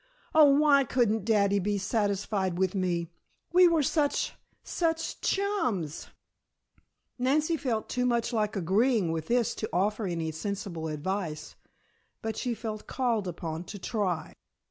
Oh, why couldn't daddy be satisfied with me? We were such such chums " Nancy felt too much like agreeing with this to offer any sensible advice, but she felt called upon to try.